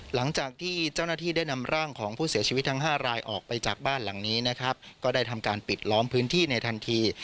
หลังจากที่เจ้าหน้าที่ได้นำร่างของผู้เสียชีวิตทั้ง๕รายออกไปจากบ้านหลังนี้นะครับก็ได้ทำการปิดล้อมพื้นที่ในทันที